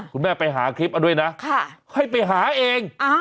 คุณแม่ไปหาคลิปอันด้วยนะให้ไปหาเอง